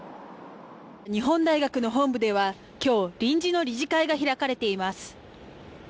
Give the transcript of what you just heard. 日本大学の本部では今日、臨時の理事会が開かれています。